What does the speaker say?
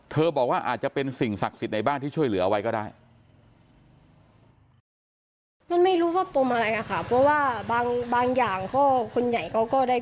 บอกว่าอาจจะเป็นสิ่งศักดิ์สิทธิ์ในบ้านที่ช่วยเหลือไว้ก็ได้